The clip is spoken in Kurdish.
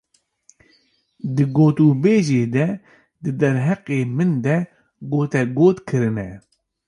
Di gotûbêjê de di derheqê min de gotegot kirine.